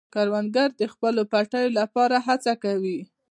کروندګر د خپلو پټیو لپاره هڅه کوي